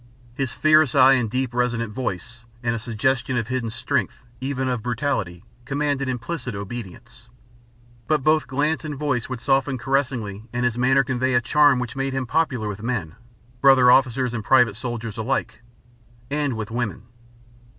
His fierce eye and deep, resonant voice, and a suggestion of hidden strength, even of brutality, commanded implicit obedience. But both glance and voice would soften caressingly and his manner convey a charm which made him popular with men brother officers and private soldiers alike and with women.